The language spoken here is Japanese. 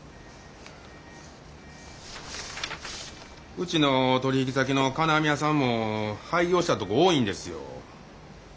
うちの取引先の金網屋さんも廃業したとこ多いんですよ。